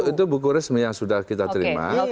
itu buku resmi yang sudah kita terima